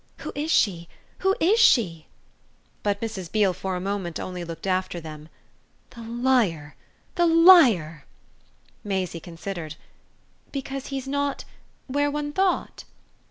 "Who is she who is she?" But Mrs. Beale for a moment only looked after them. "The liar the liar!" Maisie considered. "Because he's not where one thought?"